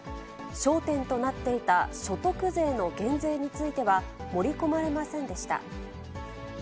焦点となっていた所得税の減税については盛り込まれませんでした。